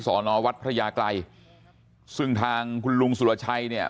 ศระณวัฒน์พญาใกลยทรงทางลุงสุรชัยเนี่ย